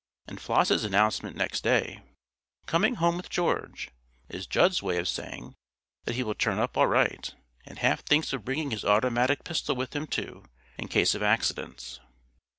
And Floss's announcement next day, "Coming home with George," is Jud's way of saying that he will turn up all right, and half thinks of bringing his automatic pistol with him too, in case of accidents.